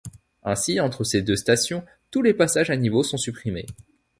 Ainsi, entre ces deux stations, tous les passages à niveaux sont supprimés.